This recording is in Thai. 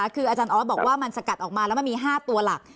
คืออาจารย์ออสบอกว่ามันสกัดออกมาแล้วมันมี๕ตัวหลัก